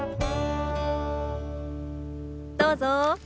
どうぞ。